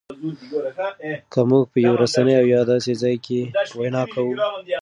که مونږ په یوه رسنۍ او یا داسې ځای کې وینا کوو